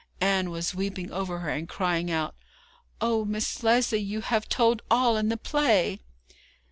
Ann was weeping over her, and crying out: 'Oh, Miss Lesley, you have told all in the play!'